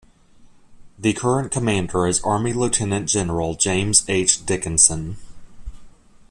The current commander is Army Lieutenant General James H. Dickinson.